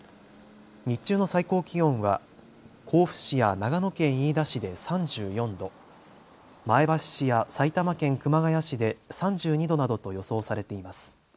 日中の最高気温は甲府市や長野県飯田市で３４度、前橋市や埼玉県熊谷市で３２度などと予想されています。